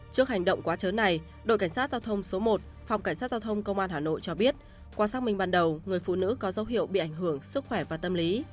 trước hành động quá chớ này đội cảnh sát giao thông số một phòng cảnh sát giao thông công an hà nội cho biết qua xác minh ban đầu người phụ nữ có dấu hiệu bị ảnh hưởng sức khỏe và tâm lý